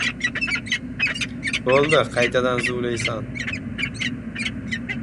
— Bo‘ldi! Qaytadan zuvlaysan.